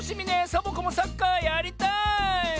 サボ子もサッカーやりたい！